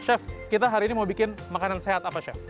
chef kita hari ini mau bikin makanan sehat apa chef